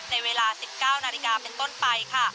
ในเวลา๑๙นาฬิกาเป็นต้นไปค่ะ